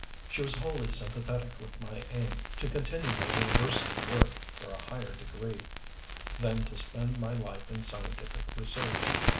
She was wholly sympathetic with my aim to continue my university work for a higher degree; then to spend my life in scientific research.